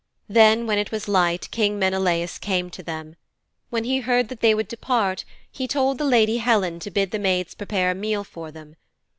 Then when it was light King Menelaus came to them. When he heard that they would depart he told the lady Helen to bid the maids prepare a meal for them.